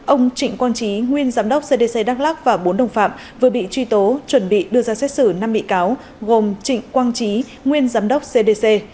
ông trịnh quang trí nguyên giám đốc cdc đắk lắc và bốn đồng phạm vừa bị truy tố chuẩn bị đưa ra xét xử năm bị cáo gồm trịnh quang trí nguyên giám đốc cdc